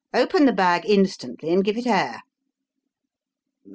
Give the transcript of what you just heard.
Open the bag instantly and give it air!"